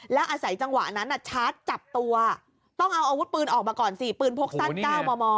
แล้วอาศัยจังหวะนั้นชาร์จจับตัวต้องเอาอาวุธปืนออกมาก่อนสิปืนพกสั้น๙มม